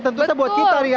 tentu saja buat kita ya